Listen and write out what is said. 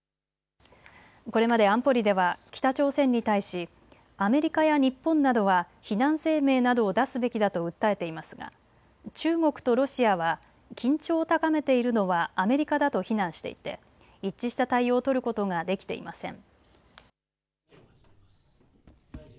これまで安保理では北朝鮮に対しアメリカや日本などは非難声明などを出すべきだと訴えていますが中国とロシアは緊張を高めているのはアメリカだと非難していて一致した対応を取ることができていません。